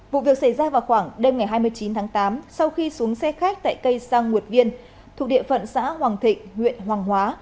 vụ việc xảy ra vào khoảng đêm ngày hai mươi chín tháng tám sau khi xuống xe khách tại cây sang nguyệt viên thuộc địa phận xã hoàng thịnh huyện hoàng hóa